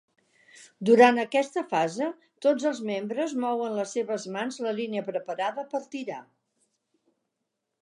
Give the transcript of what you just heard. Durant aquesta fase tots els membres mouen les seves mans la línia preparada per tirar.